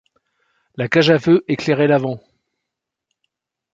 La cage à feu éclairait l’avant.